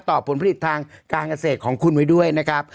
ผลผลิตทางการเกษตรของคุณไว้ด้วยนะครับ